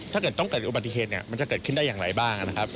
ถ้าเกิดต้องเกิดอุบัติเหตุเนี่ยมันจะเกิดขึ้นได้อย่างไรบ้างนะครับ